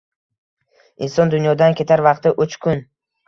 — Inson dunyodan ketar vaqti — uch kun.